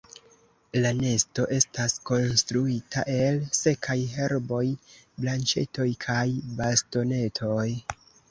La nesto estas konstruita el sekaj herboj, branĉetoj kaj bastonetoj.